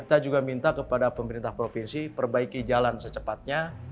kita juga minta kepada pemerintah provinsi perbaiki jalan secepatnya